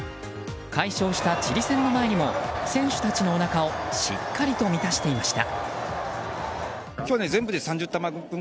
快勝したチリ戦の前にも選手たちのおなかをしっかりと満たしていました。